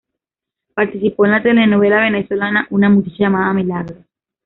Participó en la telenovela venezolana "Una muchacha llamada Milagros".